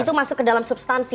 itu masuk ke dalam substansi